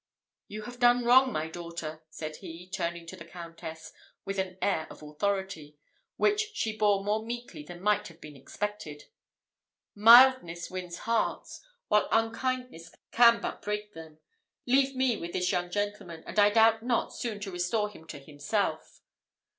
"You have done wrong, my daughter," said he, turning to the Countess with an air of authority, which she bore more meekly than might have been expected. "Mildness wins hearts, while unkindness can but break them. Leave me with this young gentleman, and I doubt not soon to restore him to himself."